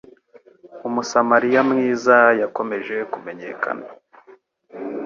Umusamariya mwiza yakomeje kumenyekana